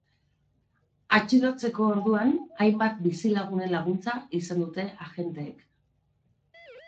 Atxilotzeko orduan, hainbat bizilagunen laguntza izan dute agenteek.